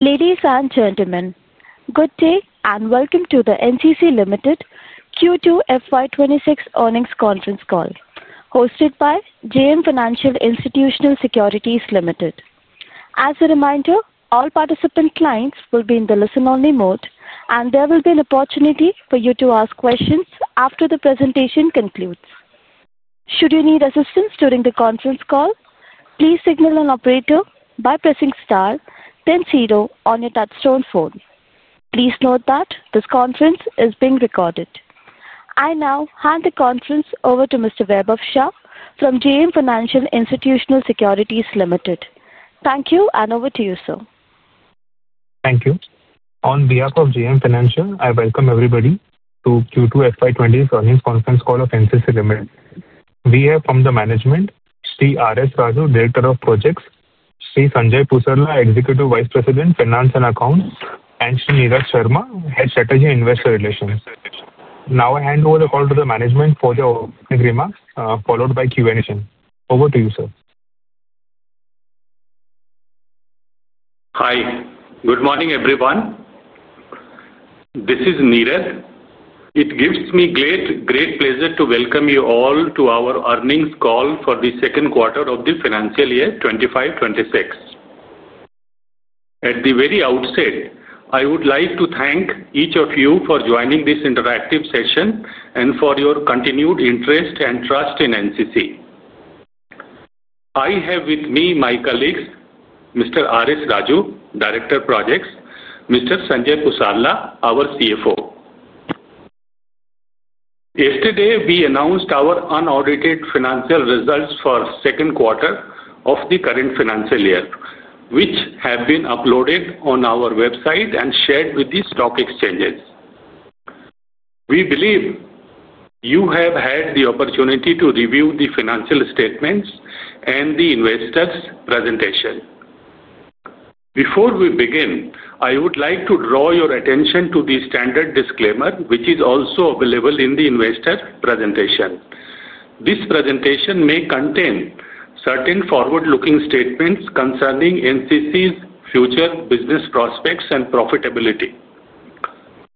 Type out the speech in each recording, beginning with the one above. Ladies and gentlemen, good day and welcome to the NCC Limited Q2 FY 2026 earnings conference call, hosted by JM Financial Institutional Securities Limited. As a reminder, all participant lines will be in the listen-only mode, and there will be an opportunity for you to ask questions after the presentation concludes. Should you need assistance during the conference call, please signal an operator by pressing star then zero on your touchstone phone. Please note that this conference is being recorded. I now hand the conference over to Mr. Vaibhav Shah from JM Financial Institutional Securities Limited. Thank you, and over to you, sir. Thank you. On behalf of JM Financial, I welcome everybody to Q2 FY 2026 earnings conference call of NCC Limited. We have from the management, Sri AVS Raju, Director of Projects, Sri Sanjay Pusarla, Executive Vice President, Finance and Accounts, and Sri Neeraj Sharma, Head Strategy and Investor Relations. Now I hand over the call to the management for the opening remarks, followed by Q&A. Over to you, sir. Hi. Good morning, everyone. This is Neeraj. It gives me great, great pleasure to welcome you all to our earnings call for the second quarter of the financial year 2025 2026. At the very outset, I would like to thank each of you for joining this interactive session and for your continued interest and trust in NCC. I have with me my colleagues, Mr. AVS Raju, Director of Projects; Mr. Sanjay Pusarla, our CFO. Yesterday, we announced our unaudited financial results for the second quarter of the current financial year, which have been uploaded on our website and shared with the stock exchanges. We believe you have had the opportunity to review the financial statements and the investors' presentation. Before we begin, I would like to draw your attention to the standard disclaimer, which is also available in the investors' presentation. This presentation may contain certain forward-looking statements concerning NCC's future business prospects and profitability,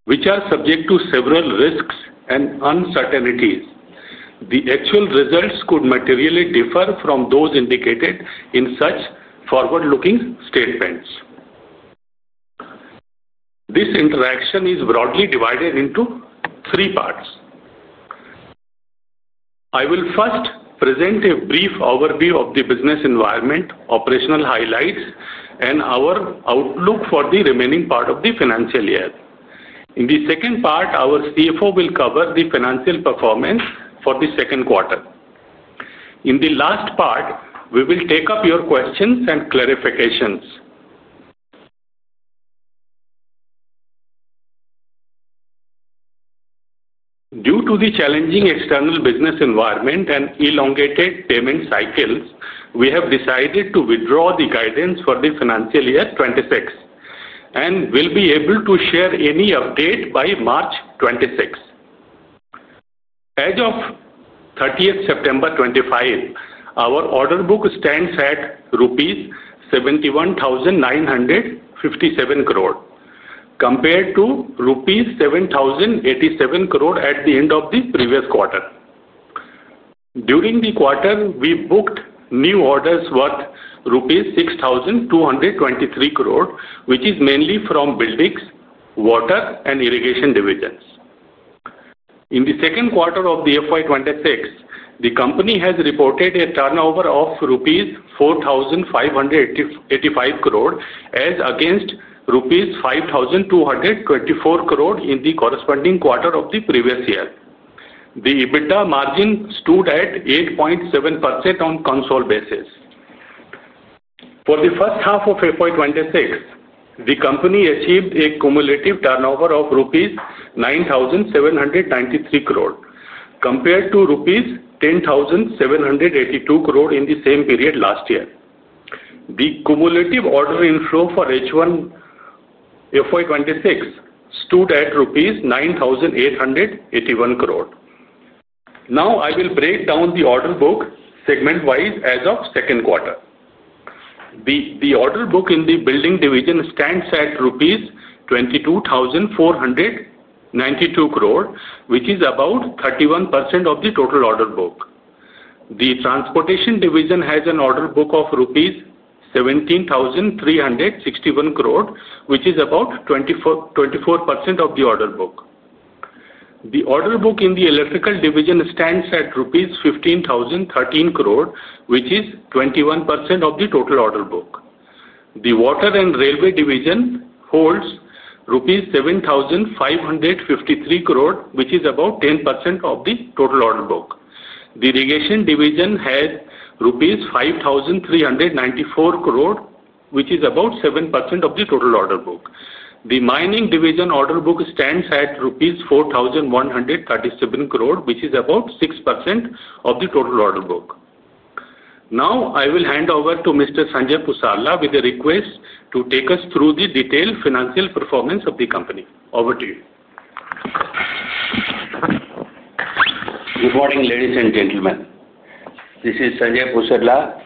which are subject to several risks and uncertainties. The actual results could materially differ from those indicated in such forward-looking statements. This interaction is broadly divided into three parts. I will first present a brief overview of the business environment, operational highlights, and our outlook for the remaining part of the financial year. In the second part, our CFO will cover the financial performance for the second quarter. In the last part, we will take up your questions and clarifications. Due to the challenging external business environment and elongated payment cycles, we have decided to withdraw the guidance for the financial year 2026. We will be able to share any update by March 2026. As of 30th September 2025, our order book stands at rupees 71,957 crore, compared to rupees 7,087 crore at the end of the previous quarter. During the quarter, we booked new orders worth rupees 6,223 crore, which is mainly from buildings, water, and irrigation divisions. In the second quarter of FY 2026, the company has reported a turnover of 4,585 crore rupees as against 5,224 crore rupees in the corresponding quarter of the previous year. The EBITDA margin stood at 8.7% on consolidated basis. For the first half of FY 2026, the company achieved a cumulative turnover of rupees 9,793 crore, compared to rupees 10,782 crore in the same period last year. The cumulative order inflow for H1 FY 2026 stood at rupees 9,881 crore. Now I will break down the order book segment-wise as of second quarter. The order book in the building division stands at rupees 22,492 crore, which is about 31% of the total order book. The transportation division has an order book of rupees 17,361 crore, which is about 24% of the order book. The order book in the electrical division stands at rupees 15,013 crore, which is 21% of the total order book. The water and railway division holds rupees 7,553 crore, which is about 10% of the total order book. The irrigation division has rupees 5,394 crore, which is about 7% of the total order book. The mining division order book stands at rupees 4,137 crore, which is about 6% of the total order book. Now I will hand over to Mr. Sanjay Pusarla with a request to take us through the detailed financial performance of the company. Over to you. Good morning, ladies and gentlemen. This is Sanjay Pusarla,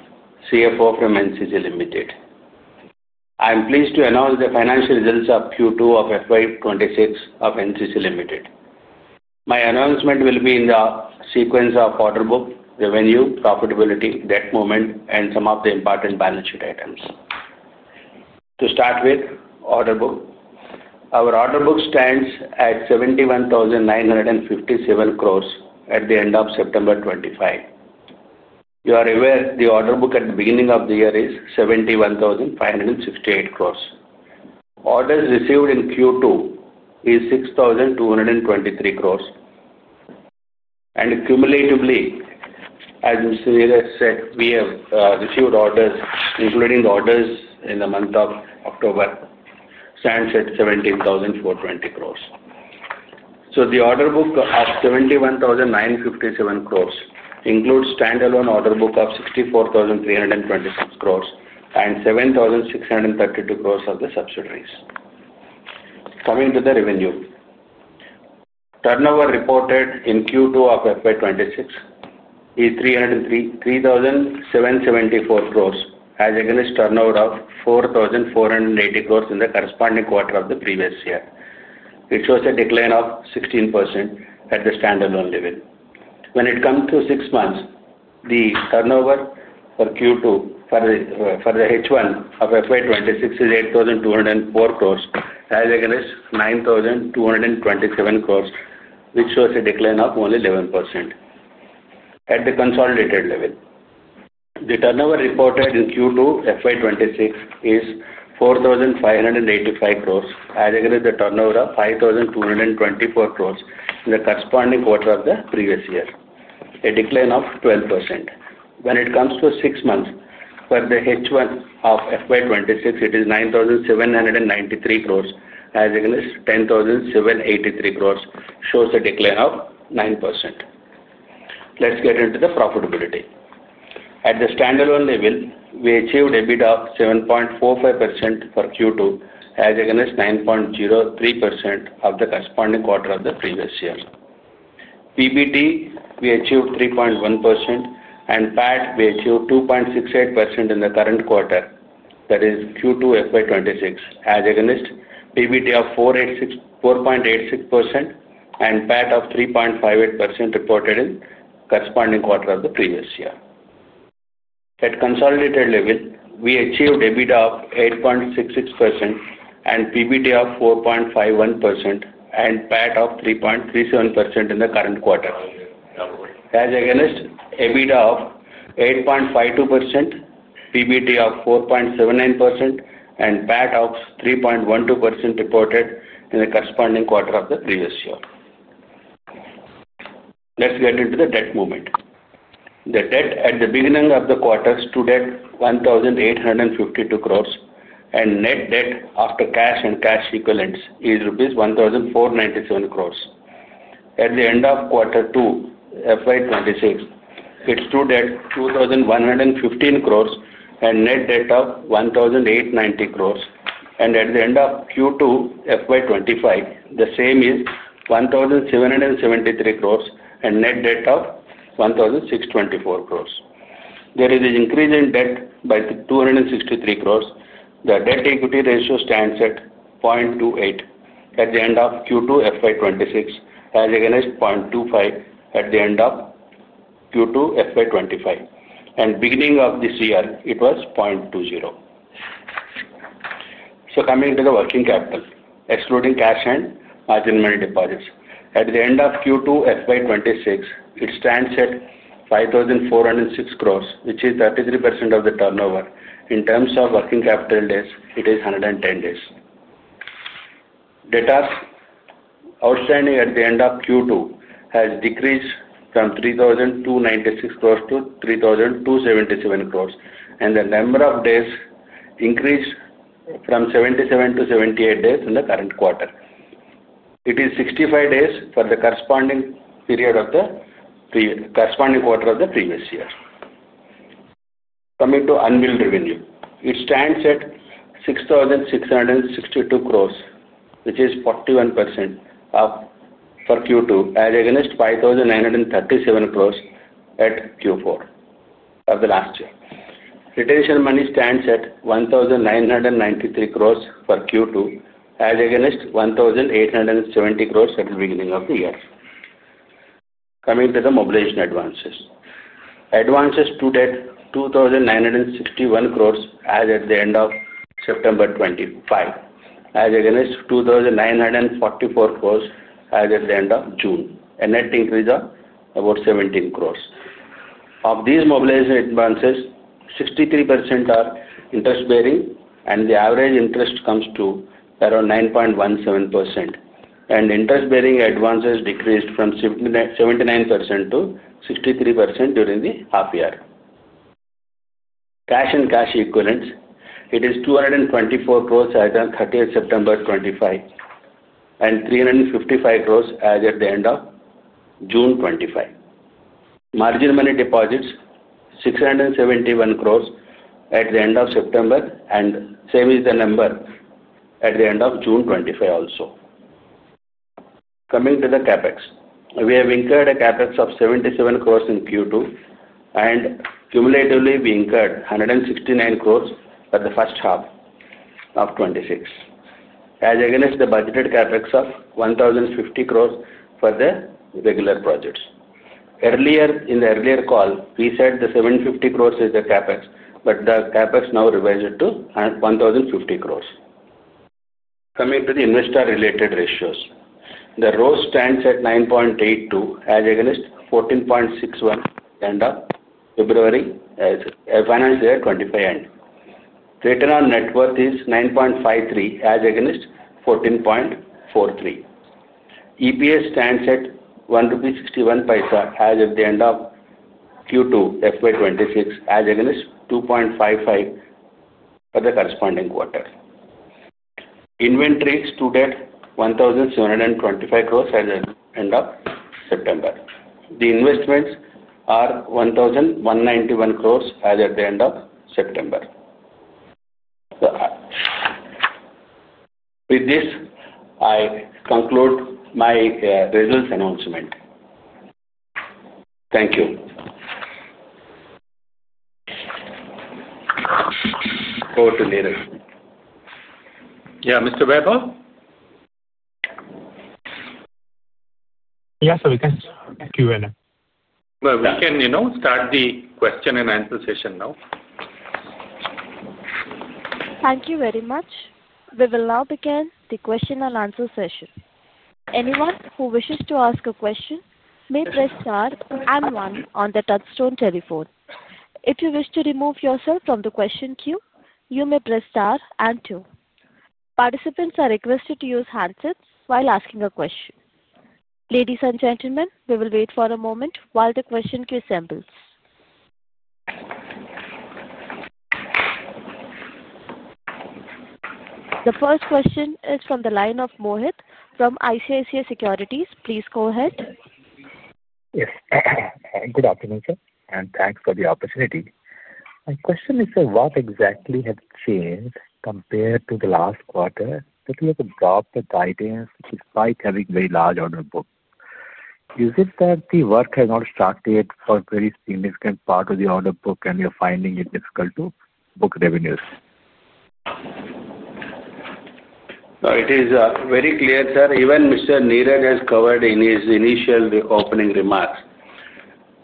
CFO from NCC Limited. I am pleased to announce the financial results of Q2 of FY 2026 of NCC Limited. My announcement will be in the sequence of order book, revenue, profitability, debt movement, and some of the important balance sheet items. To start with, order book. Our order book stands at 71,957 crore at the end of September 2025. You are aware the order book at the beginning of the year is 71,568 crore. Orders received in Q2 is 6,223 crore. And cumulatively. As Neeraj said, we have received orders, including the orders in the month of October, stands at 17,420 crore. The order book of 71,957 crore includes standalone order book of 64,326 crore and 7,632 crore of the subsidiaries. Coming to the revenue. Turnover reported in Q2 of FY 2026 is 3,774 crore as against turnover of 4,480 crore in the corresponding quarter of the previous year. It shows a decline of 16% at the standalone level. When it comes to six months, the turnover for Q2 for the H1 of FY 2026 is 8,204 crore as against 9,227 crore, which shows a decline of only 11%. At the consolidated level, the turnover reported in Q2 FY 2026 is 4,585 crore as against the turnover of 5,224 crore in the corresponding quarter of the previous year, a decline of 12%. When it comes to six months for the H1 of FY 2026, it is 9,793 crore as against 10,783 crore, shows a decline of 9%. Let's get into the profitability. At the standalone level, we achieved EBITDA of 7.45% for Q2 as against 9.03% of the corresponding quarter of the previous year. PBT we achieved 3.1% and PAT we achieved 2.68% in the current quarter. That is Q2 FY 2026 as against PBT of 4.86% and PAT of 3.58% reported in corresponding quarter of the previous year. At consolidated level, we achieved EBITDA of 8.66% and PBT of 4.51% and PAT of 3.37% in the current quarter. As against EBITDA of 8.52%, PBT of 4.79%, and PAT of 3.12% reported in the corresponding quarter of the previous year. Let's get into the debt movement. The debt at the beginning of the quarter stood at 1,852 crore, and net debt after cash and cash equivalents is rupees 1,497 crore. At the end of quarter two FY 2026, it stood at 2,115 crore and net debt of 1,890 crore. At the end of Q2 FY 2025, the same is 1,773 crore and net debt of 1,624 crore. There is an increase in debt by 263 crore. The debt equity ratio stands at 0.28 at the end of Q2 FY 2026 as against 0.25 at the end of Q2 FY 2025. Beginning of this year, it was 0.20. Coming to the working capital, excluding cash and margin money deposits, at the end of Q2 FY 2026, it stands at 5,406 crore, which is 33% of the turnover. In terms of working capital days, it is 110 days. Data outstanding at the end of Q2 has decreased from 3,296 crore to 3,277 crore, and the number of days increased from 77 to 78 days in the current quarter. It is 65 days for the corresponding quarter of the previous year. Coming to unbilled revenue, it stands at 6,662 crore, which is 41% for Q2 as against 5,937 crore at Q4 of the last year. Retention money stands at 1,993 crore for Q2 as against 1,870 crore at the beginning of the year. Coming to the mobilization advances. Advances stood at 2,961 crore as at the end of September 2025 as against 2,944 crore as at the end of June. A net increase of about 17 crore. Of these mobilization advances, 63% are interest-bearing, and the average interest comes to around 9.17%. Interest-bearing advances decreased from 79% to 63% during the half year. Cash and cash equivalents, it is 224 crore as of 30th September 2025. 355 crore as at the end of June 2025. Margin money deposits, 671 crore at the end of September, and same is the number at the end of June 2025 also. Coming to the CapEx, we have incurred a CapEx of 77 crore in Q2, and cumulatively we incurred 169 crore for the first half of 2026. As against the budgeted CapEx of 1,050 crore for the regular projects. Earlier, in the earlier call, we said the 750 crore is the CapEx, but the CapEx now revised to 1,050 crore. Coming to the investor-related ratios, the ROAS stands at 9.82% as against 14.61% end of February. As of financial year 2025 end. Return on net worth is 9.53% as against 14.43%. EPS stands at 1.61 rupee as at the end of Q2 FY 2026 as against 2.55 for the corresponding quarter. Inventory stood at 1,725 crore as end of September. The investments are 1,191 crore as at the end of September. With this, I conclude my results announcement. Thank you. Over to Neeraj. Yeah, Mr. [Bhebab]? Yes, Neeraj. Q&A. We can start the question-and-answer session now. Thank you very much. We will now begin the question-and-answer session. Anyone who wishes to ask a question may press star and one on the touchstone telephone. If you wish to remove yourself from the question queue, you may press star and two. Participants are requested to use handsets while asking a question. Ladies and gentlemen, we will wait for a moment while the question queue assembles. The first question is from the line of Mohit from ICICI Securities. Please go ahead. Yes. Good afternoon, sir. Thanks for the opportunity. My question is, what exactly has changed compared to the last quarter that we have adopted guidance despite having very large order book? Is it that the work has not started for a very significant part of the order book, and we are finding it difficult to book revenues? It is very clear, sir. Even Mr. Neeraj has covered in his initial opening remarks.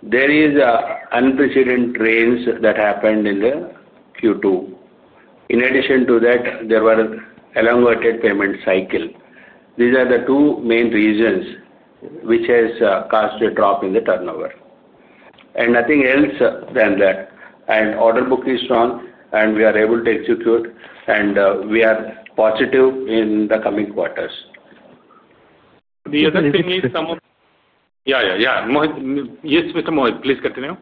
There is unprecedented rains that happened in the Q2. In addition to that, there was an elongated payment cycle. These are the two main reasons which have caused a drop in the turnover. Nothing else than that. The order book is strong, and we are able to execute, and we are positive in the coming quarters. The other thing is some of. Yeah, Mohit, yes, Mr. Mohit, please continue.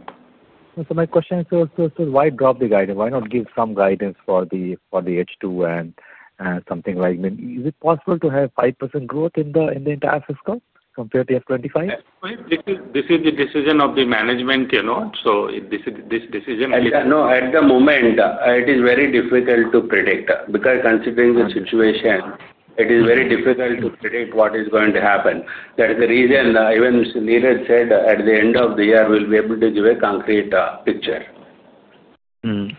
My question is also, sir, why drop the guidance? Why not give some guidance for the H2 and something like that? Is it possible to have 5% growth in the entire fiscal compared to FY 2025? This is the decision of the management, you know. This decision. No, at the moment, it is very difficult to predict. Because considering the situation, it is very difficult to predict what is going to happen. That is the reason even Mr. Neeraj said at the end of the year, we will be able to give a concrete picture.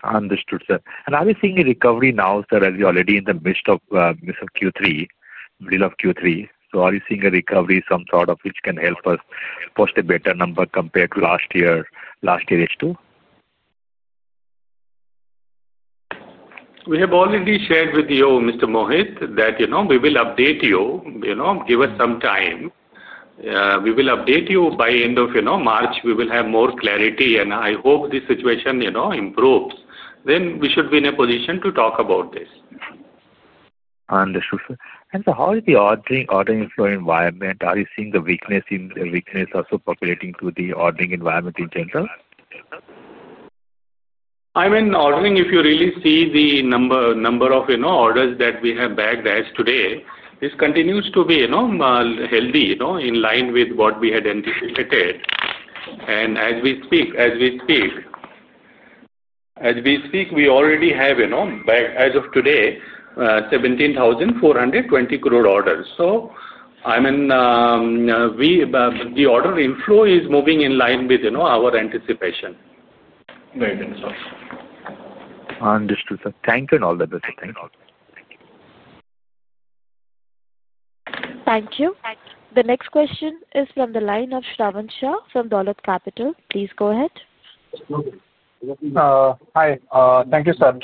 Understood, sir. Are we seeing a recovery now, sir, as we are already in the midst of Q3, middle of Q3? Are you seeing a recovery, some sort of which can help us post a better number compared to last year, last year H2? We have already shared with you, Mr. Mohit, that we will update you. Give us some time. We will update you by end of March. We will have more clarity, and I hope this situation improves. Then we should be in a position to talk about this. Understood, sir. Sir, how is the ordering flow environment? Are you seeing the weakness in the weakness also percolating to the ordering environment in general? I mean, ordering, if you really see the number of orders that we have bagged as today, this continues to be healthy in line with what we had anticipated. As we speak, we already have, as of today, 17,420 crore orders. I mean, the order inflow is moving in line with our anticipation. Understood, sir. Thank you and all the best. Thank you. Thank you. The next question is from the line of Shravan Shah from Dolat Capital. Please go ahead. Hi. Thank you, sir.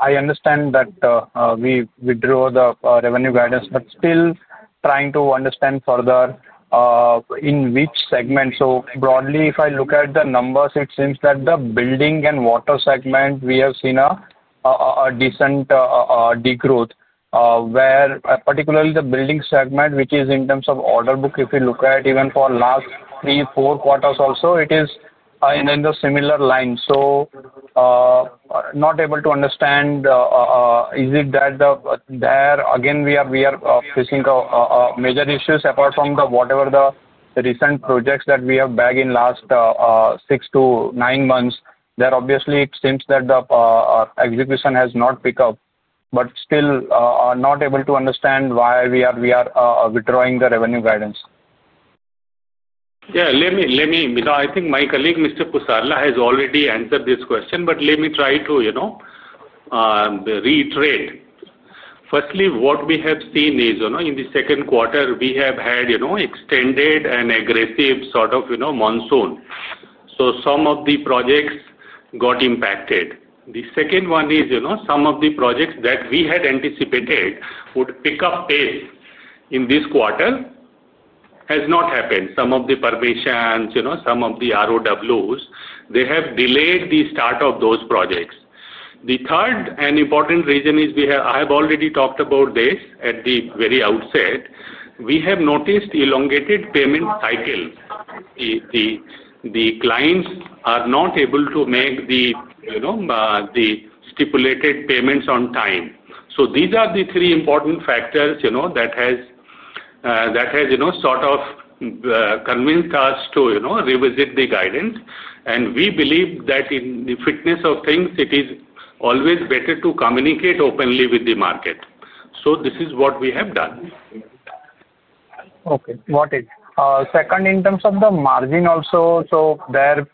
I understand that. We withdrew the revenue guidance, but still trying to understand further. In which segment. So broadly, if I look at the numbers, it seems that the building and water segment, we have seen a decent degrowth. Where particularly the building segment, which is in terms of order book, if you look at even for last three, four quarters also, it is in the similar line. Not able to understand. Is it that again we are facing major issues apart from whatever the recent projects that we have bagged in last six to nine months, that obviously it seems that the execution has not picked up. Still are not able to understand why we are withdrawing the revenue guidance. Yeah, let me, because I think my colleague, Mr. Pusarla, has already answered this question, but let me try to reiterate. Firstly, what we have seen is in the second quarter, we have had extended and aggressive sort of monsoon, so some of the projects got impacted. The second one is some of the projects that we had anticipated would pick up pace in this quarter has not happened. Some of the permissions, some of the ROWs, they have delayed the start of those projects. The third and important reason is I have already talked about this at the very outset. We have noticed elongated payment cycles. The clients are not able to make the stipulated payments on time. So these are the three important factors that has sort of convinced us to revisit the guidance. We believe that in the fitness of things, it is always better to communicate openly with the market. This is what we have done. Okay. Second, in terms of the margin also, so there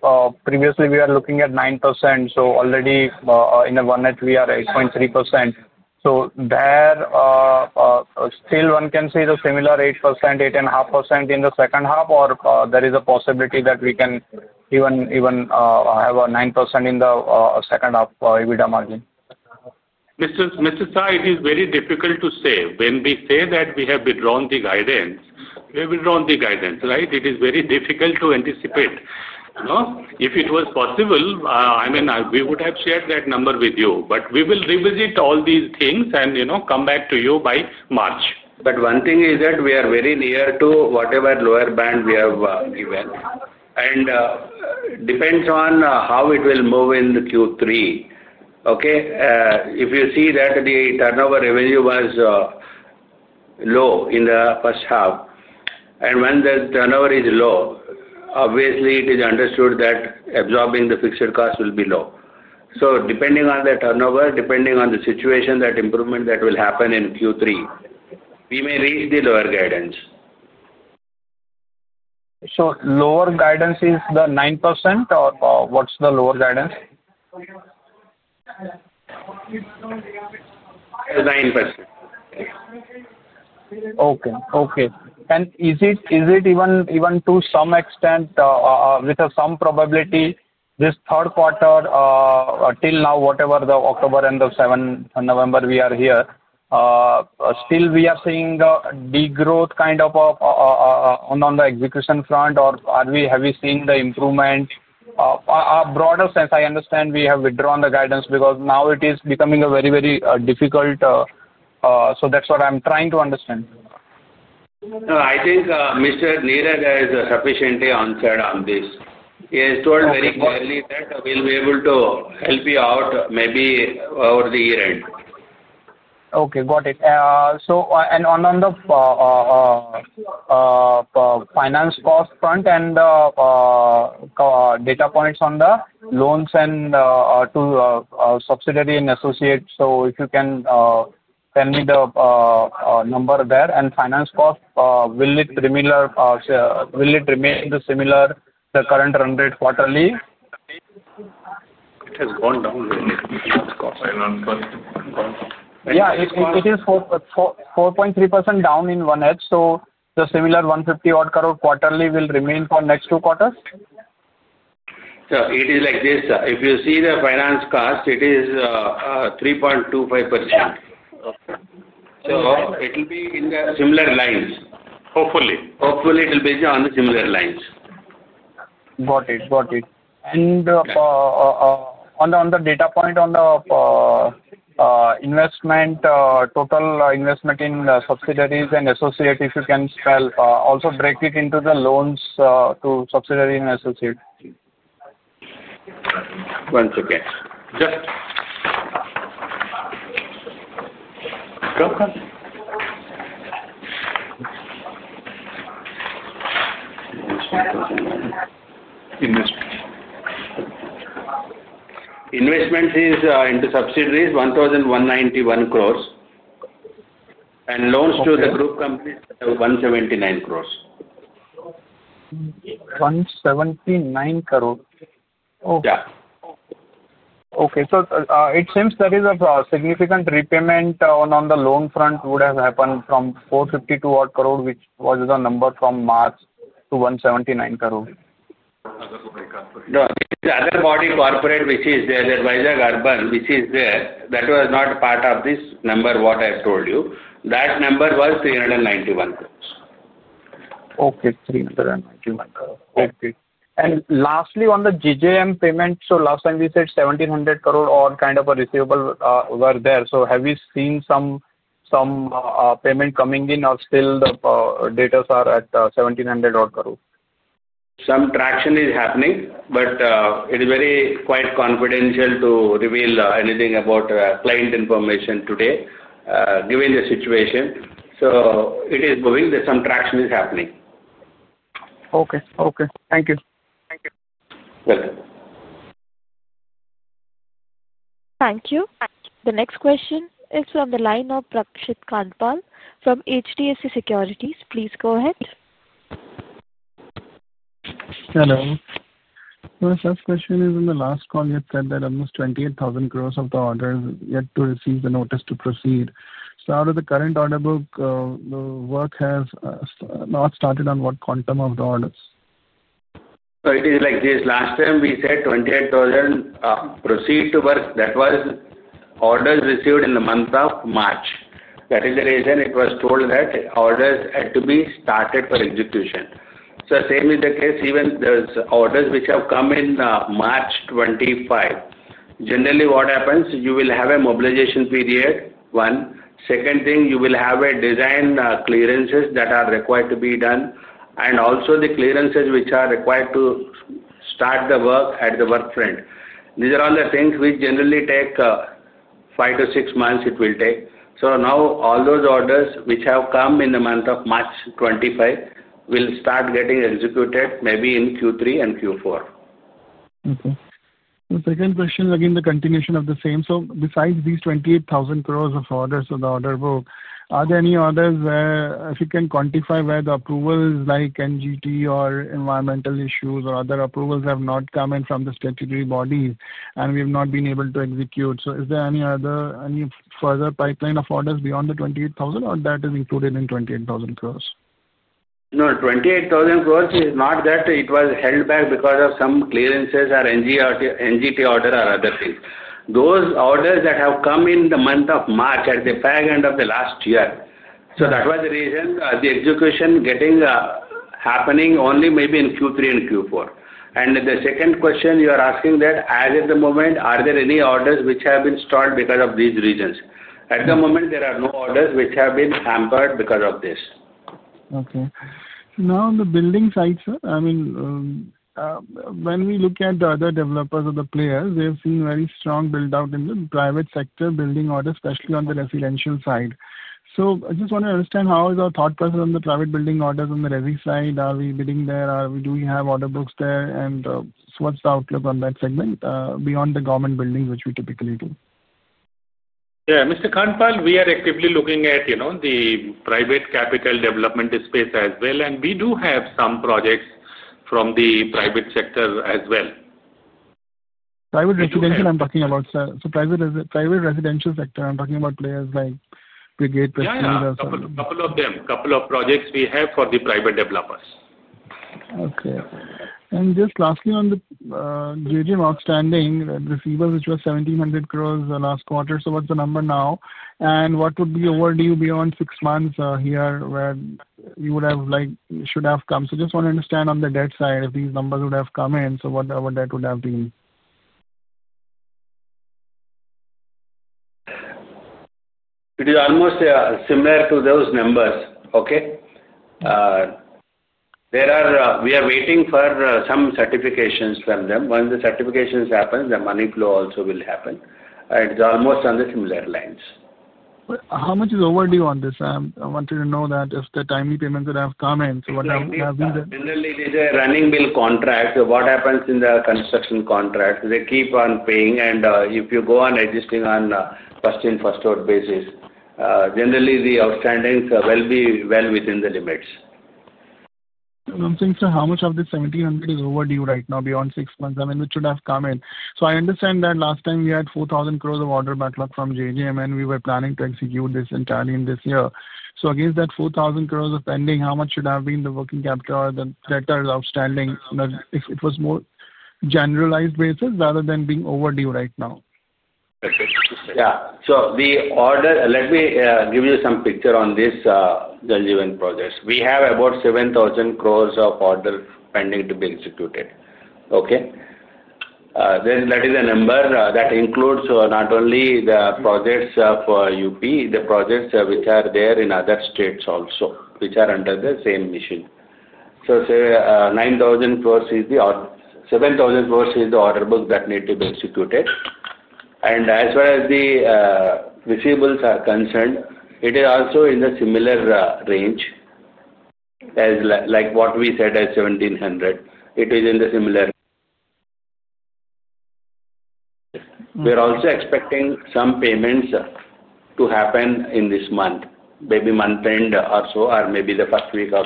previously we are looking at 9%. So already in the one net, we are at 8.3%. So there. Still one can see the similar 8%-8.5% in the second half, or there is a possibility that we can even have a 9% in the second half EBITDA margin. Mr. Sai, it is very difficult to say. When we say that we have withdrawn the guidance, we have withdrawn the guidance, right? It is very difficult to anticipate. If it was possible, I mean, we would have shared that number with you. I mean, we will revisit all these things and come back to you by March. One thing is that we are very near to whatever lower band we have given. It depends on how it will move in Q3. Okay? If you see that the turnover revenue was low in the first half, and when the turnover is low, obviously it is understood that absorbing the fixed cost will be low. So depending on the turnover, depending on the situation, that improvement that will happen in Q3, we may reach the lower guidance. Lower guidance is the 9% or what's the lower guidance? 9%. Okay, okay. Is it even to some extent, with some probability, this third quarter? Till now, whatever the October and November we are here, still we are seeing the degrowth kind of. On the execution front, or have we seen the improvement? A broader sense, I understand we have withdrawn the guidance because now it is becoming a very, very difficult. That is what I am trying to understand. No, I think Mr. Neeraj has sufficiently answered on this. He has told very clearly that we'll be able to help you out maybe over the year end. Okay, got it. On the finance cost front and the data points on the loans and to subsidiary and associate, if you can tell me the number there. Finance cost, will it remain similar to the current run rate quarterly? It has gone down. Yeah, it is 4.3% down in one net. So the similar 150-odd crore quarterly will remain for next two quarters? Sir, it is like this. If you see the finance cost, it is 3.25%. So it will be in the similar lines. Hopefully. Hopefully it will be on the similar lines. Got it, got it. On the data point, on the investment, total investment in subsidiaries and associate, if you can spell, also break it into the loans to subsidiary and associate. One second. Just. Investment is into subsidiaries, 1,191 crore. And loans to the group companies are 179 crore. 179 crore. Okay. Okay. So it seems there is a significant repayment on the loan front would have happened from 452-odd crore, which was the number from March to 179 crore. No, the other body corporate, which is the advisor [Garbhan], which is there, that was not part of this number what I have told you. That number was 391 crore. Okay, 391 crore. Okay. Lastly, on the JJM payment, last time we said 1,700 crore odd kind of a receivable were there. Have we seen some payment coming in, or still the datas are at 1,700 odd crore? Some traction is happening, but it is very confidential to reveal anything about client information today, given the situation. It is moving. Some traction is happening. Okay, okay. Thank you. Welcome. Thank you. The next question is from the line of Parikshit Kandpal from HDFC Securities. Please go ahead. Hello. My first question is, in the last call, you said that almost 28,000 crore of the orders yet to receive the notice to proceed. Out of the current order book, the work has not started on what quantum of the orders? It is like this. Last time we said 28,000 crore proceed to work. That was orders received in the month of March. That is the reason it was told that orders had to be started for execution. Same is the case. Even the orders which have come in March 2025. Generally, what happens, you will have a mobilization period. One, second thing, you will have design clearances that are required to be done. Also the clearances which are required to start the work at the work front. These are all the things which generally take five to six months. It will take. Now all those orders which have come in the month of March 2025 will start getting executed maybe in Q3 and Q4. Okay. The second question is again the continuation of the same. Besides these 28,000 crore of orders of the order book, are there any others where, if you can quantify, where the approvals like NGT or environmental issues or other approvals have not come in from the statutory bodies and we have not been able to execute? Is there any other, any further pipeline of orders beyond the 28,000 crore, or is that included in 28,000 crore? No, 28,000 crore is not that it was held back because of some clearances or NGT order or other things. Those orders that have come in the month of March at the back end of the last year. That was the reason the execution getting happening only maybe in Q3 and Q4. The second question you are asking that, as at the moment, are there any orders which have been stalled because of these reasons? At the moment, there are no orders which have been hampered because of this. Okay. Now on the building side, sir, I mean, when we look at the other developers or the players, we have seen very strong build-out in the private sector building orders, especially on the residential side. I just want to understand how is our thought process on the private building orders on the resi side. Are we bidding there? Do we have order books there? What's the outlook on that segment beyond the government buildings which we typically do? Yeah, Mr. Kandpal, we are actively looking at the private capital development space as well. We do have some projects from the private sector as well. Private residential, I'm talking about, sir. Private residential sector, I'm talking about players like Brigade, Prestige, or something. Yeah, a couple of them. A couple of projects we have for the private developers. Okay. Just lastly on the JJM outstanding receivables, which was 1,700 crore last quarter. What is the number now? What would be overdue beyond six months here where you would have, should have come? I just want to understand on the debt side, if these numbers would have come in, what that would have been? It is almost similar to those numbers. Okay? We are waiting for some certifications from them. Once the certifications happen, the money flow also will happen. It is almost on the similar lines. How much is overdue on this? I wanted to know that if the timely payments would have come in. What have been the? Generally, it is a running bill contract. What happens in the construction contract? They keep on paying. If you go on existing on first-in-first-out basis, generally the outstandings will be well within the limits. One thing, sir, how much of this 1,700 is overdue right now beyond six months? I mean, which should have come in? I understand that last time we had 4,000 crore of order backlog from JJM, and we were planning to execute this entirely in this year. Against that 4,000 crore of pending, how much should have been the working capital or the debtors outstanding? It was more generalized basis rather than being overdue right now. Yeah. Let me give you some picture on this JJM projects. We have about 7,000 crore of orders pending to be executed. Okay? That is a number that includes not only the projects of UP, the projects which are there in other states also, which are under the same mission. 9,000 crore is the 7,000 crore is the order book that need to be executed. As far as the receivables are concerned, it is also in the similar range as what we said as 1,700. It is in the similar. We are also expecting some payments to happen in this month, maybe month-end or so, or maybe the first week or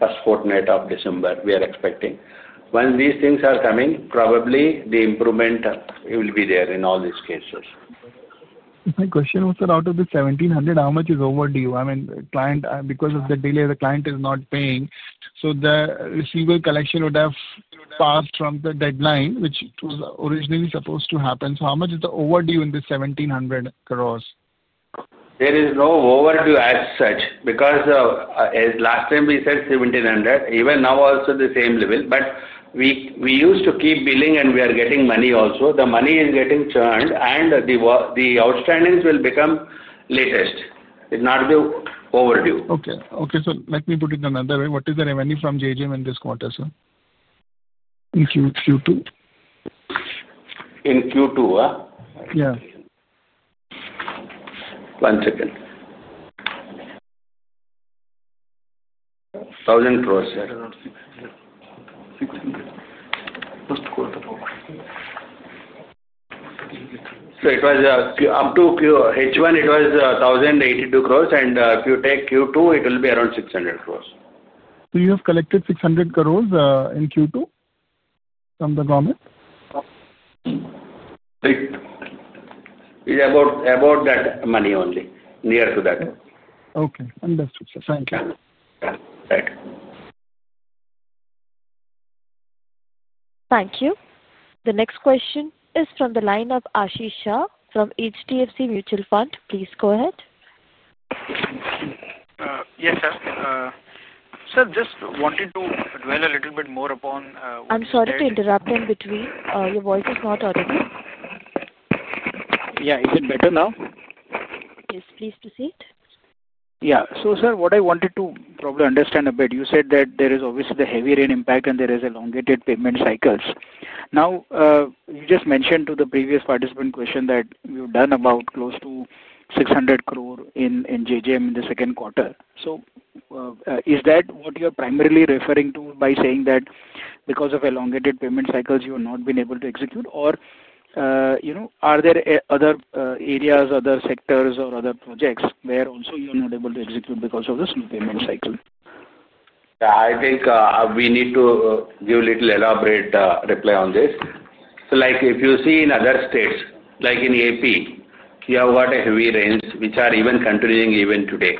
first fortnight of December. We are expecting. Once these things are coming, probably the improvement will be there in all these cases. My question was that out of this 1,700 crore, how much is overdue? I mean, because of the delay, the client is not paying. The receivable collection would have passed from the deadline, which was originally supposed to happen. How much is the overdue in this 1,700 crore? There is no overdue as such. Because last time we said 1,700 crore, even now also the same level. We used to keep billing, and we are getting money also. The money is getting churned, and the outstandings will become latest. It is not the overdue. Okay. Okay. Let me put it another way. What is the revenue from JJM in this quarter, sir? In Q2? In Q2, huh? Yeah. One second. INR 1,000 crore, sir. First quarter. It was up to H1, it was 1,082 crore. If you take Q2, it will be around 600 crore. You have collected 600 crore in Q2. From the government? It's about that money only, near to that. Okay. Understood, sir. Thank you. Yeah. Right. Thank you. The next question is from the line of Ashish Shah from HDFC Mutual Fund. Please go ahead. Yes, sir. Sir, just wanted to dwell a little bit more upon. I'm sorry to interrupt in between. Your voice is not audible. Yeah. Is it better now? Yes. Pleased to see it. Yeah. Sir, what I wanted to probably understand a bit, you said that there is obviously the heavy rain impact, and there is elongated payment cycles. Now, you just mentioned to the previous participant question that we've done about close to 600 crore in JJM in the second quarter. Is that what you are primarily referring to by saying that because of elongated payment cycles, you have not been able to execute? Or are there other areas, other sectors, or other projects where also you are not able to execute because of the slow payment cycle? Yeah. I think we need to give a little elaborate reply on this. If you see in other states, like in AP, you have got heavy rains, which are even continuing even today.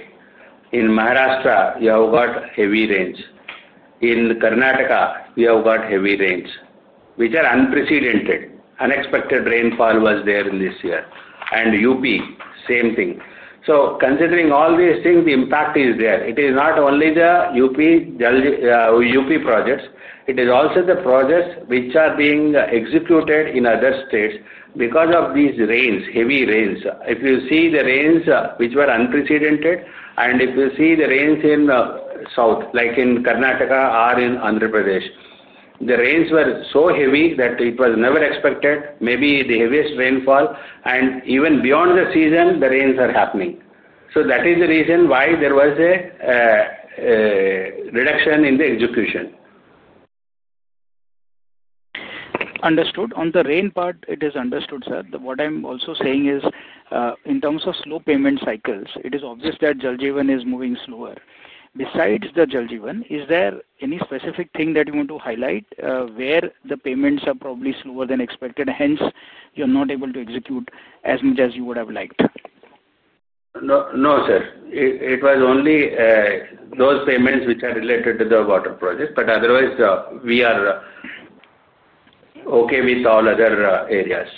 In Maharashtra, you have got heavy rains. In a, you have got heavy rains, which are unprecedented. Unexpected rainfall was there in this year. In UP, same thing. Considering all these things, the impact is there. It is not only the UP projects. It is also the projects which are being executed in other states because of these rains, heavy rains. If you see the rains which were unprecedented, and if you see the rains in the south, like in Karnataka or in Andhra Pradesh, the rains were so heavy that it was never expected, maybe the heaviest rainfall. Even beyond the season, the rains are happening. That is the reason why there was a reduction in the execution. Understood. On the rain part, it is understood, sir. What I'm also saying is in terms of slow payment cycles, it is obvious that JJM is moving slower. Besides the JJM, is there any specific thing that you want to highlight where the payments are probably slower than expected, hence you're not able to execute as much as you would have liked? No, sir. It was only those payments which are related to the water project. Otherwise, we are okay with all other areas.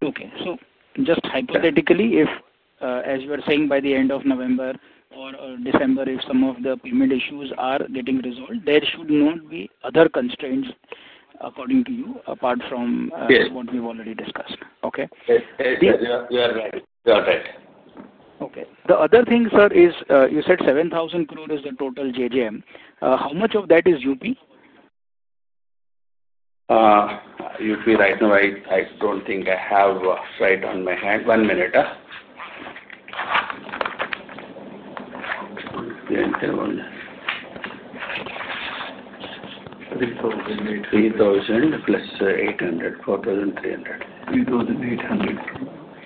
Okay. So just hypothetically, as you are saying, by the end of November or December, if some of the payment issues are getting resolved, there should not be other constraints, according to you, apart from what we have already discussed. Okay? You are right. Okay. The other thing, sir, is you said 7,000 crore is the total JJM. How much of that is UP? UP, right now, I don't think I have right on my hand. One minute. INR 3,000 crore. INR 3,000 crore + INR 800 crore, [INR 4,300 crore]. INR 3,840 crore.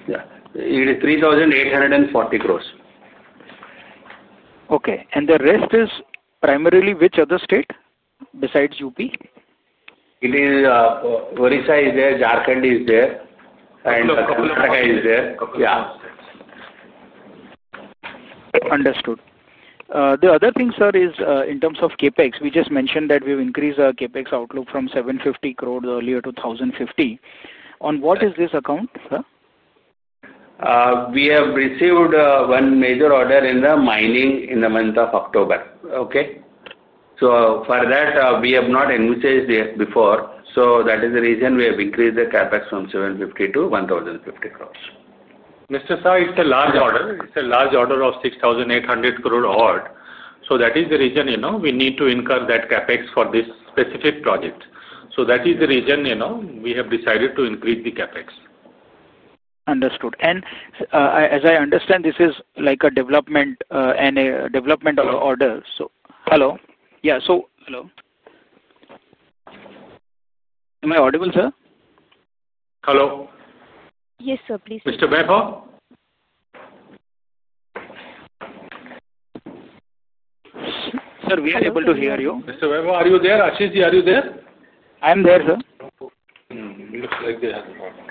Yeah. INR 3,840 crore. Okay. The rest is primarily which other state besides UP? It is Odisha is there, Jharkhand is there, and Karnataka is there. Yeah. Understood. The other thing, sir, is in terms of CapEx, we just mentioned that we've increased our CapEx outlook from 750 crore earlier to 1,050 crore. On what is this account, sir? We have received one major order in mining in the month of October. Okay? For that, we have not initiated before. That is the reason we have increased the CapEx from 750 crore to 1,050 crore. Sir, it's a large order. It's a large order of 6,800 crore. That is the reason we need to incur that CapEx for this specific project. That is the reason we have decided to increase the CapEx. Understood. As I understand, this is like a development order. Hello? Yeah. Hello? Am I audible, sir? Hello. Yes, sir. Please speak. Mr. [Bhebab]? Sir, we are able to hear you. Mr. [Bhebab], are you there? Ashish, are you there? I'm there, sir. Looks like they have a problem.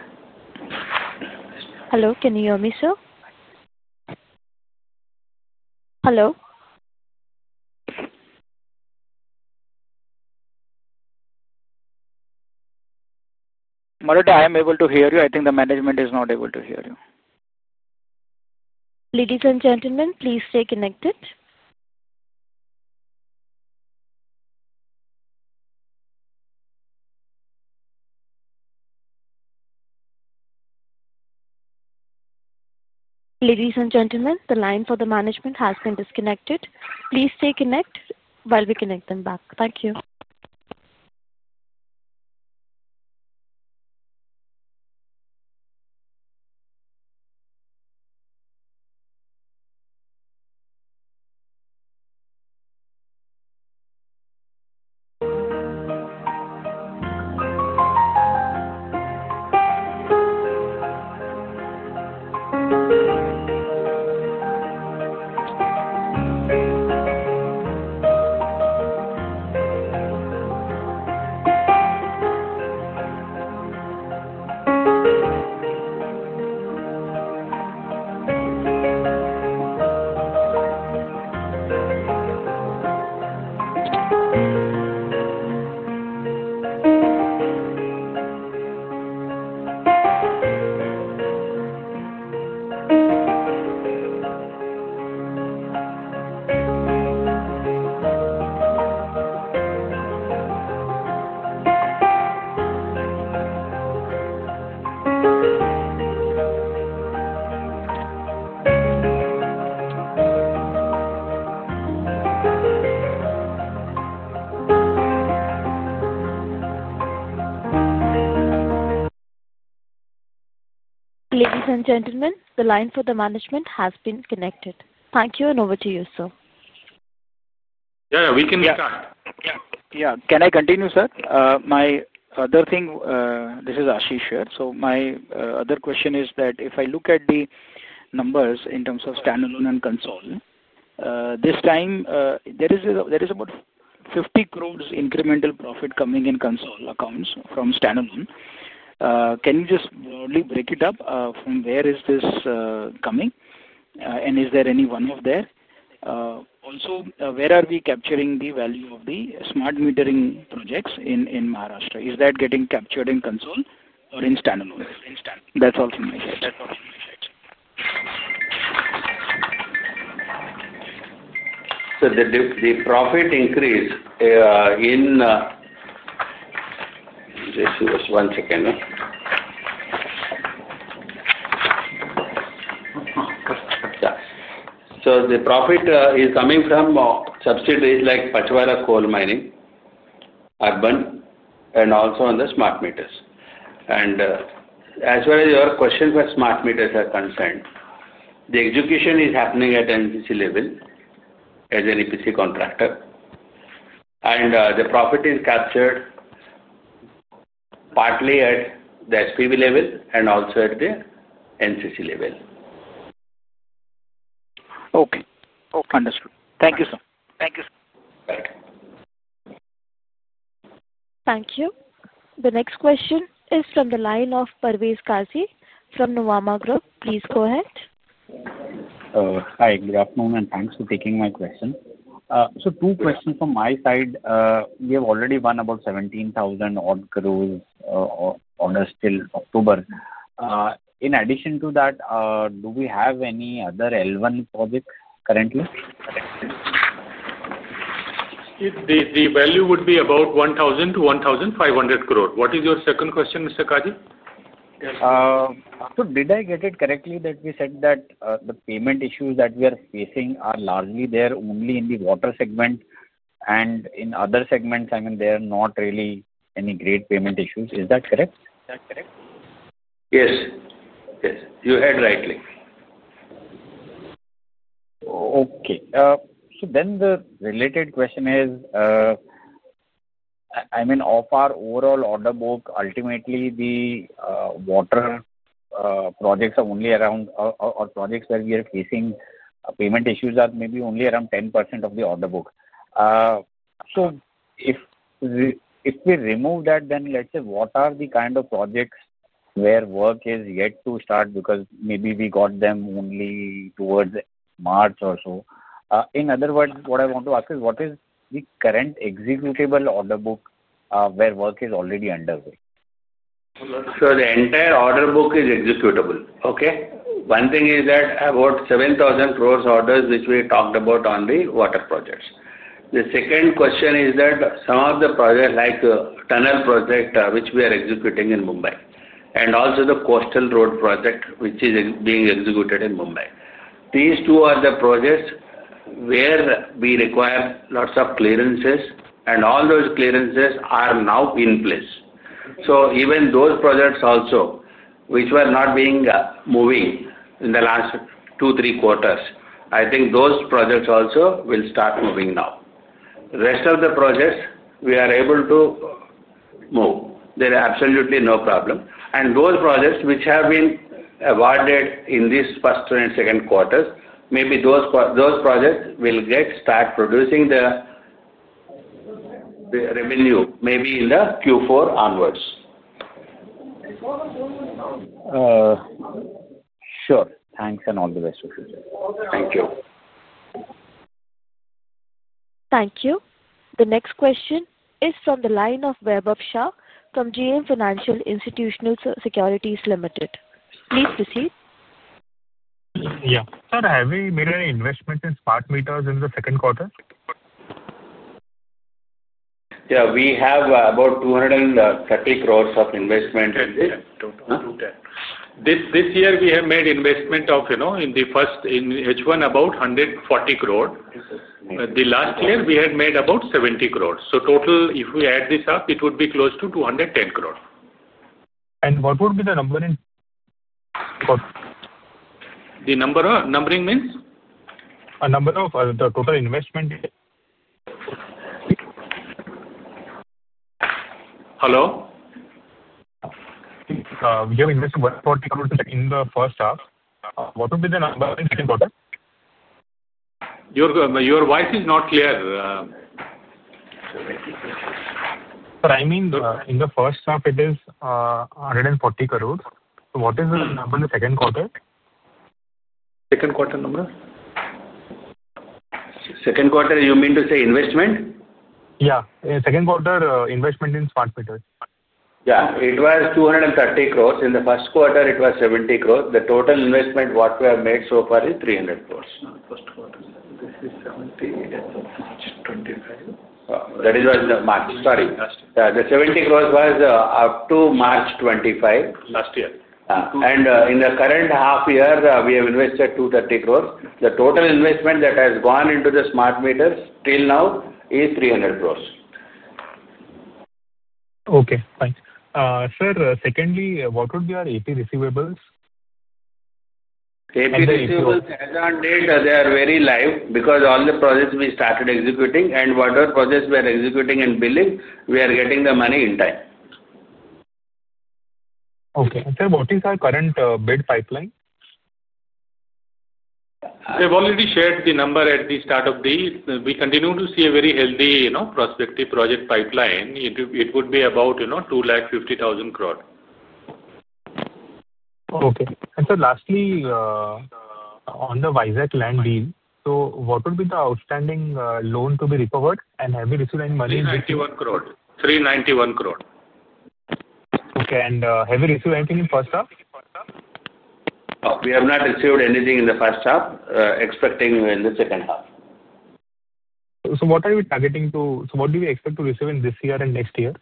Hello. Can you hear me, sir? Hello? Maruta, I am able to hear you. I think the management is not able to hear you. Ladies and gentlemen, please stay connected. Ladies and gentlemen, the line for the management has been disconnected. Please stay connected while we connect them back. Thank you. Ladies and gentlemen, the line for the management has been connected. Thank you, and over to you, sir. Yeah, yeah. We can start. Yeah. Yeah. Can I continue, sir? My other thing, this is Ashish, sir. My other question is that if I look at the numbers in terms of standalone and console, this time there is about 500 million incremental profit coming in console accounts from standalone. Can you just broadly break it up? From where is this coming? Is there any one-off there? Also, where are we capturing the value of the smart metering projects in Maharashtra? Is that getting captured in console or in standalone? That is all from my side. The profit increase in. Just give us one second. Yeah. The profit is coming from subsidies like Pachhwara Coal Mining, urban, and also on the smart meters. As far as your question for smart meters is concerned, the execution is happening at NCC level as an EPC contractor. The profit is captured partly at the SPV level and also at the NCC level. Okay. Okay. Thank you, sir. Thank you, sir. Right. Thank you. The next question is from the line of Parvez Qazi, from Nuvama Group. Please go ahead. Hi. Good afternoon, and thanks for taking my question. Two questions from my side. We have already won about 17,000 crore odd. On a still October. In addition to that, do we have any other L1 projects currently? The value would be about 1,000 crore-1,500 crore. What is your second question, Mr. Qazi? Did I get it correctly that we said that the payment issues that we are facing are largely there only in the water segment? In other segments, I mean, there are not really any great payment issues. Is that correct? Yes. Yes. You heard rightly. Okay. So then the related question is, I mean, of our overall order book, ultimately, the water projects are only around or projects where we are facing payment issues are maybe only around 10% of the order book. If we remove that, then let's say what are the kind of projects where work is yet to start because maybe we got them only towards March or so? In other words, what I want to ask is, what is the current executable order book where work is already underway? The entire order book is executable. One thing is that about 7,000 crore orders, which we talked about on the water projects. The second question is that some of the projects, like the tunnel project, which we are executing in Mumbai, and also the coastal road project, which is being executed in Mumbai. These two are the projects where we require lots of clearances, and all those clearances are now in place. Even those projects also, which were not moving in the last two-three quarters, I think those projects also will start moving now. The rest of the projects, we are able to move. There is absolutely no problem. Those projects which have been awarded in this first and second quarters, maybe those projects will start producing the revenue maybe in Q4 onwards. Sure. Thanks, and all the best to you, sir. Thank you. Thank you. The next question is from the line of Vaibhav Shah from JM Financial Institutional Securities Limited. Please proceed. Yeah. Sir, have we made any investment in smart meters in the second quarter? Yeah. We have about 230 crore of investment. This year, we have made investment of in the first H1 about 140 crore. The last year, we had made about 70 crore. So total, if we add this up, it would be close to 210 crore. What would be the numbering? The numbering means? A number of the total investment. Hello? We have invested 140 crore in the first half. What would be the number in the second quarter? Your voice is not clear. Sir, I mean, in the first half, it is 140 crore. So what is the number in the second quarter? Second quarter number? Second quarter, you mean to say investment? Yeah. Second quarter investment in smart meters. Yeah. It was 230 crore. In the first quarter, it was 70 crore. The total investment what we have made so far is 300 crore. First quarter, this is 70 crore and March 2025. That is March 25. Sorry. The 70 crore was up to March 2025. Last year. In the current half year, we have invested 230 crore. The total investment that has gone into the smart meters till now is 300 crore. Okay. Thanks. Sir, secondly, what would be our AP receivables? AP receivables as of date, they are very live because all the projects we started executing, and whatever projects we are executing and billing, we are getting the money in time. Okay. Sir, what is our current bid pipeline? We have already shared the number at the start of the we continue to see a very healthy prospective project pipeline. It would be about 250,000 crore. Okay. Sir, lastly, on the Vizag land deal, what would be the outstanding loan to be recovered, and have we received any money? 391 crore. Okay. Have we received anything in the first half? We have not received anything in the first half, expecting in the second half. What are we targeting to, what do we expect to receive in this year and next year?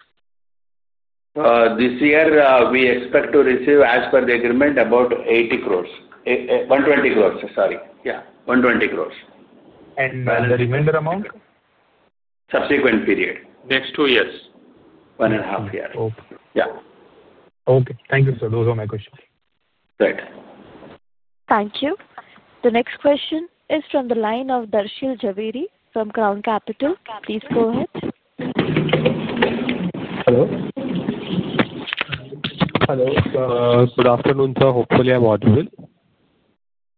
This year, we expect to receive, as per the agreement, about 80 crore. 120 crore. Sorry. Yeah. 120 crore. The remainder amount? Subsequent period. Next two years. One and a half years. Okay. Yeah. Okay. Thank you, sir. Those are my questions. Right. Thank you. The next question is from the line of [Darshil Jhaveri] from Crown Capital. Please go ahead. Hello. Hello. Good afternoon, sir. Hopefully, I'm audible.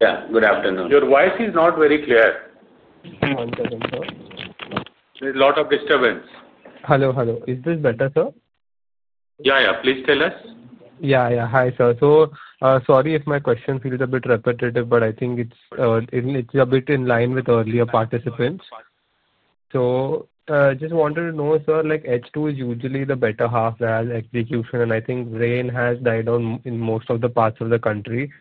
Yeah. Good afternoon. Your voice is not very clear. One second, sir. There's a lot of disturbance. Hello. Hello. Is this better, sir? Yeah, yeah. Please tell us. Yeah, yeah. Hi, sir. Sorry if my question feels a bit repetitive, but I think it's a bit in line with earlier participants. I just wanted to know, sir, H2 is usually the better half as execution, and I think rain has died down in most of the parts of the country.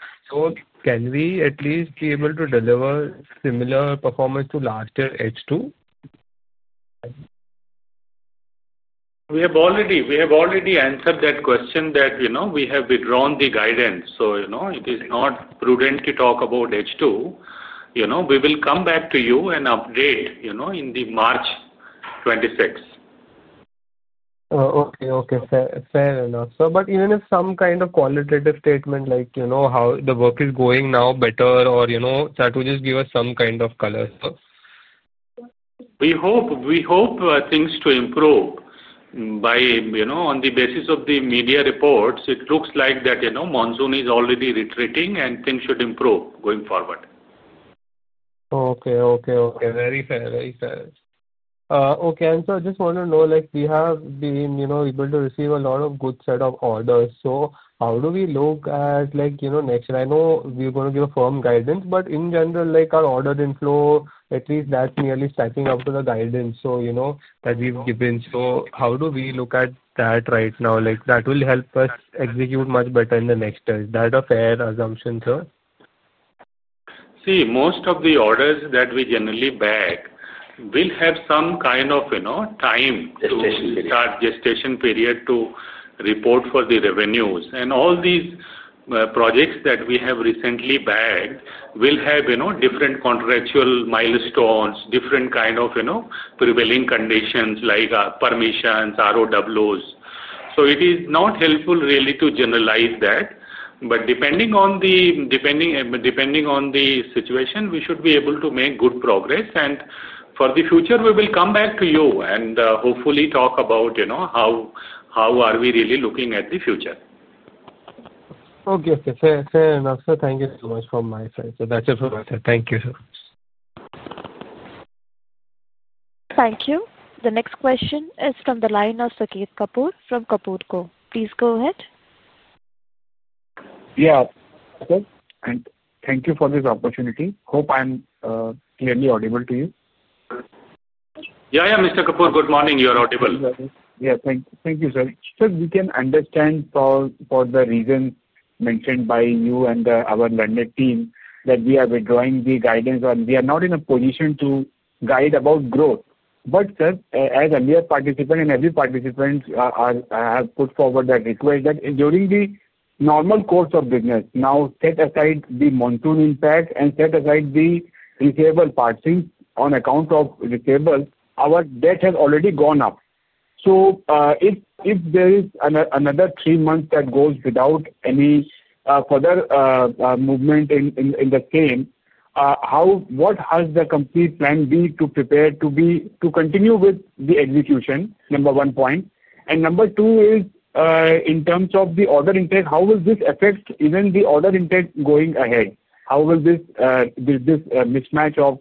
Can we at least be able to deliver similar performance to last year's H2? We have already answered that question that we have withdrawn the guidance. It is not prudent to talk about H2. We will come back to you and update in March 26. Okay. Okay. Fair enough, sir. Even if some kind of qualitative statement like how the work is going now, better, or try to just give us some kind of color, sir. We hope things to improve. On the basis of the media reports, it looks like that monsoon is already retreating, and things should improve going forward. Okay. Okay. Okay. Very fair. Very fair. Okay. Sir, I just want to know, we have been able to receive a lot of good set of orders. How do we look at next year? I know we are going to give a firm guidance, but in general, our order inflow, at least, that is nearly stacking up to the guidance that we have given. How do we look at that right now? That will help us execute much better in the next year. Is that a fair assumption, sir? See, most of the orders that we generally bag will have some kind of time to. Gestation period. Gestation period to report for the revenues. All these projects that we have recently bagged will have different contractual milestones, different kind of prevailing conditions like permissions, ROWs. It is not helpful really to generalize that. Depending on the situation, we should be able to make good progress. For the future, we will come back to you and hopefully talk about how we are really looking at the future. Okay. Okay. Fair enough, sir. Thank you so much from my side. That's it for my side. Thank you, sir. Thank you. The next question is from the line of [Saket Kapoor] from Kapoor & Co. Please go ahead. Yeah. Thank you for this opportunity. Hope I'm clearly audible to you. Yeah, yeah. Mr. [Kapoor], good morning. You're audible. Yeah. Thank you, sir. Sir, we can understand for the reasons mentioned by you and our learned team that we are withdrawing the guidance, and we are not in a position to guide about growth. But, sir, as a layered participant, and every participant has put forward that request that during the normal course of business, now set aside the monsoon impact and set aside the receivable parsing on account of receivable, our debt has already gone up. If there is another three months that goes without any further movement in the same, what has the complete plan be to prepare to continue with the execution? Number one point. Number two is, in terms of the order intake, how will this affect even the order intake going ahead? How will this mismatch of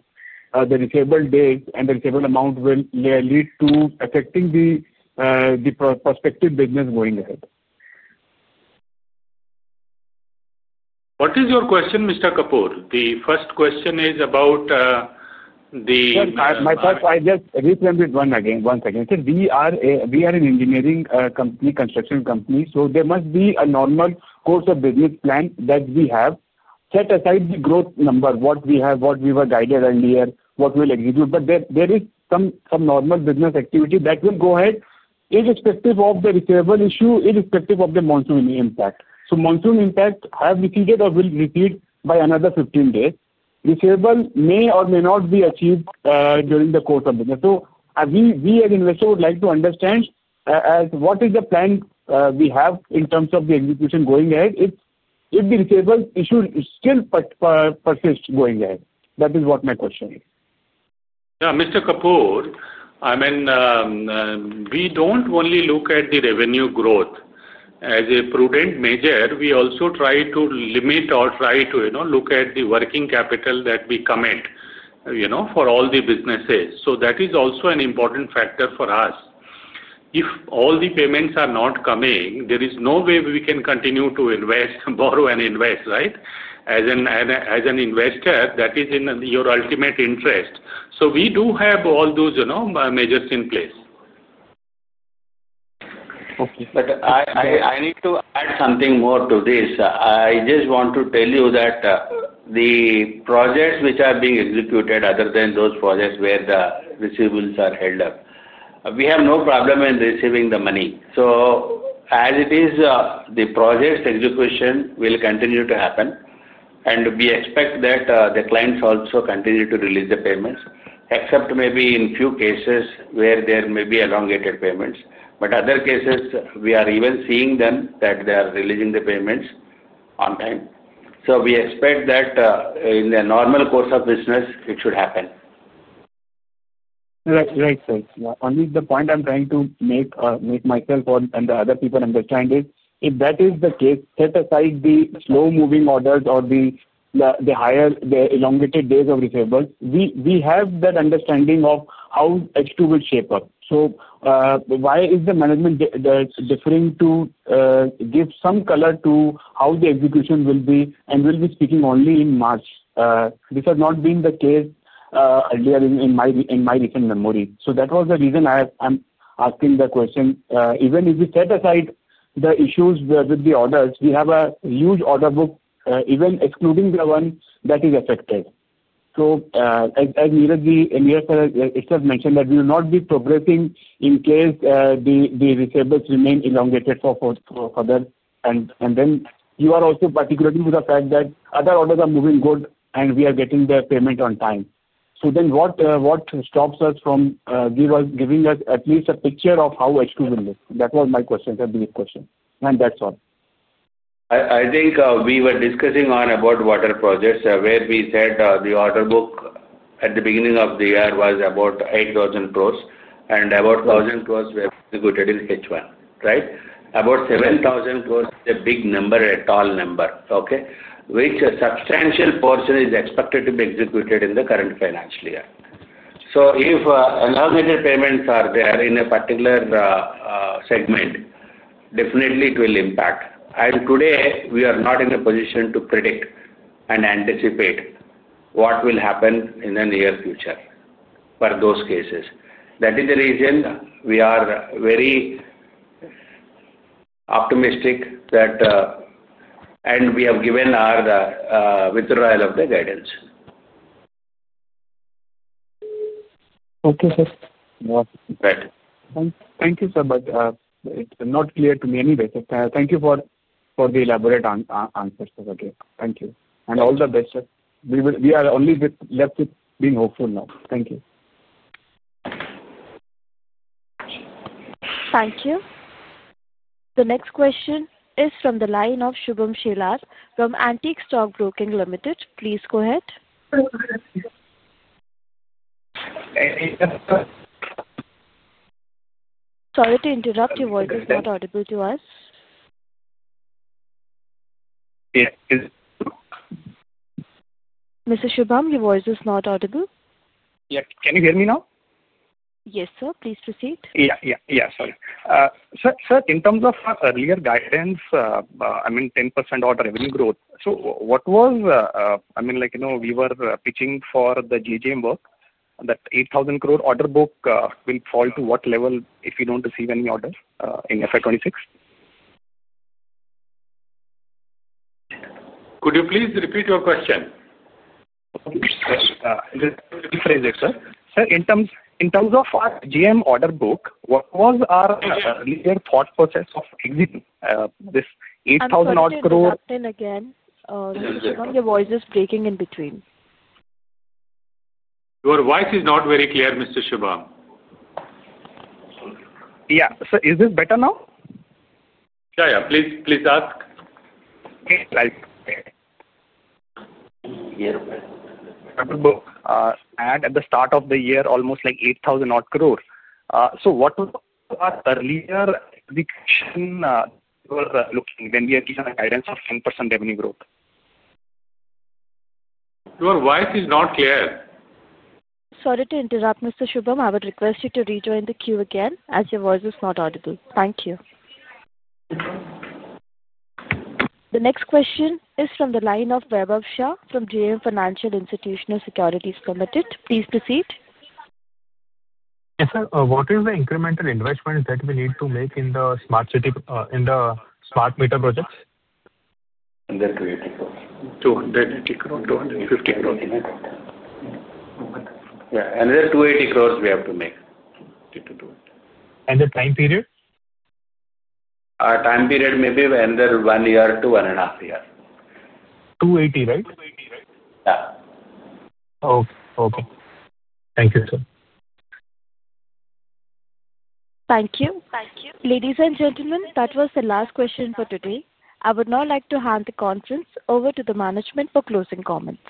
the receivable dates and the receivable amount will lead to affecting the. Prospective business going ahead? What is your question, Mr. [Kapoor]? The first question is about the. Sir, my first, I just remembered one again. One second. Sir, we are an engineering company, construction company. So there must be a normal course of business plan that we have. Set aside the growth number, what we have, what we were guided earlier, what we will execute. There is some normal business activity that will go ahead irrespective of the receivable issue, irrespective of the monsoon impact. Monsoon impact has receded or will recede by another 15 days. Receivable may or may not be achieved during the course of business. We as investors would like to understand what is the plan we have in terms of the execution going ahead if the receivable issue still persists going ahead. That is what my question is. Yeah. Mr. [Kapoor], I mean. We do not only look at the revenue growth as a prudent measure. We also try to limit or try to look at the working capital that we commit for all the businesses. That is also an important factor for us. If all the payments are not coming, there is no way we can continue to invest, borrow, and invest, right? As an investor, that is in your ultimate interest. We do have all those measures in place. Okay. I need to add something more to this. I just want to tell you that the projects which are being executed, other than those projects where the receivables are held up, we have no problem in receiving the money. As it is, the project's execution will continue to happen. We expect that the clients also continue to release the payments, except maybe in a few cases where there may be elongated payments. In other cases, we are even seeing them that they are releasing the payments on time. We expect that in the normal course of business, it should happen. That's right, sir. Only the point I'm trying to make myself and the other people understand is, if that is the case, set aside the slow-moving orders or the elongated days of receivables. We have that understanding of how H2 will shape up. Why is the management differing to give some color to how the execution will be and will be speaking only in March? This has not been the case earlier in my recent memory. That was the reason I'm asking the question. Even if we set aside the issues with the orders, we have a huge order book, even excluding the one that is affected. As Neeraj, Neeraj sir itself mentioned that we will not be progressing in case the receivables remain elongated further. You are also articulating with the fact that other orders are moving good, and we are getting the payment on time. What stops us from giving us at least a picture of how H2 will look? That was my question, the brief question. That's all. I think we were discussing about water projects where we said the order book at the beginning of the year was about 8,000 crore and about 1,000 crore were executed in H1, right? About 7,000 crore is a big number, a tall number, which a substantial portion is expected to be executed in the current financial year. If elongated payments are there in a particular segment, definitely, it will impact. Today, we are not in a position to predict and anticipate what will happen in the near future for those cases. That is the reason we are very optimistic that, and we have given our withdrawal of the guidance. Okay, sir. Right. Thank you, sir. It is not clear to me anyway. Thank you for the elaborate answers, sir. Okay. Thank you. All the best, sir. We are only left with being hopeful now. Thank you. Thank you. The next question is from the line of Shubham Shelar from Antique Stock Broking Limited. Please go ahead. Sorry to interrupt. Your voice is not audible to us. Yes. Mr. Shubham, your voice is not audible. Yes. Can you hear me now? Yes, sir. Please proceed. Yeah. Sorry. Sir, in terms of earlier guidance, I mean, 10% odd revenue growth. What was, I mean, we were pitching for the JJM work that 8,000 crore order book will fall to what level if we do not receive any orders in FY 2026? Could you please repeat your question? Rephrase it, sir. Sir, in terms of our GM order book, what was our earlier thought process of exiting this INR 8,000 odd crore? Sorry, sir. You're cutting again. Your voice is breaking in between. Your voice is not very clear, Mr. Shubham. Yeah. Sir, is this better now? Yeah. Yeah. Please ask. Okay. Right. Dr. And at the start of the year, almost like 8,000 crore. What was our earlier prediction? When we are given a guidance of 10% revenue growth? Your voice is not clear. Sorry to interrupt, Mr. Shubham. I would request you to rejoin the queue again as your voice is not audible. Thank you. The next question is from the line of Vaibhav Shah from JM Financial Institutional Securities Limited. Please proceed. Yes, sir. What is the incremental investment that we need to make in the smart city, in the smart meter projects? Under INR 280 crore. 280 crores. 250 crores. Yeah. Another 280 crore we have to make. The time period? Time period may be under one year to one and a half years. 280 crore, right? Yeah. Okay. Okay. Thank you, sir. Thank you. Ladies and gentlemen, that was the last question for today. I would now like to hand the conference over to the management for closing comments.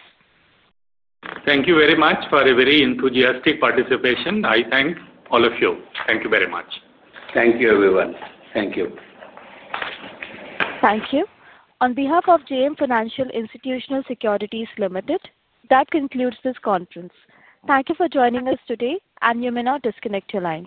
Thank you very much for a very enthusiastic participation. I thank all of you. Thank you very much. Thank you, everyone. Thank you. Thank you. On behalf of JM Financial Institutional Securities Limited, that concludes this conference. Thank you for joining us today, and you may now disconnect your lines.